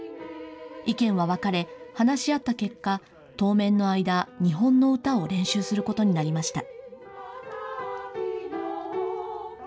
意見は分かれ、話し合った結果、当面の間、日本の歌を練習することになりました。